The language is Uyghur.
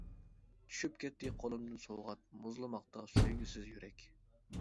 چۈشۈپ كەتتى قولۇمدىن سوۋغات، مۇزلىماقتا سۆيگۈسىز يۈرەك.